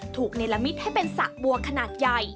ในละมิตให้เป็นสระบัวขนาดใหญ่